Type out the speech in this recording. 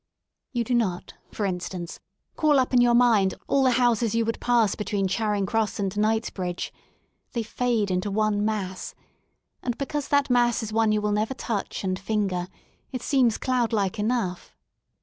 You do not, for instance, cail up in your mind all the houses you would 159 THE SOUL OF LONDON pass betu^een Charing Cross and Knightsbridge: they fade into one mass, and because that mass is one you will never touch and iinger, it seems cloudlike enough.